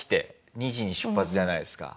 ２時に出発じゃないですか。